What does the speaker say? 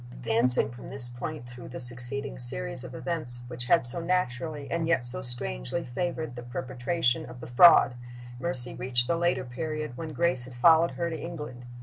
Advancing from this point through the succeeding series of events which had so naturally and yet so strangely favored the perpetration of the fraud, Mercy reached the later period when Grace had followed her to England.